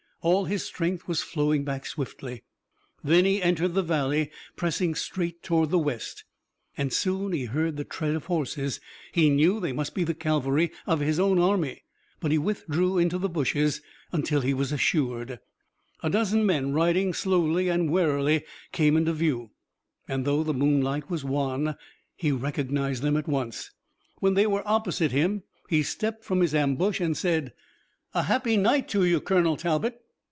All his strength was flowing back swiftly. Then he entered the valley, pressing straight toward the west, and soon heard the tread of horses. He knew that they must be the cavalry of his own army, but he withdrew into the bushes until he was assured. A dozen men riding slowly and warily came into view, and though the moonlight was wan he recognized them at once. When they were opposite him he stepped from his ambush and said: "A happy night to you, Colonel Talbot."